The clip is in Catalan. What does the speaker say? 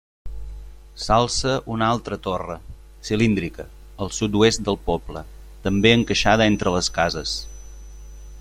S'alça una altra torre, cilíndrica, al sud-oest del poble, també encaixada entre les cases.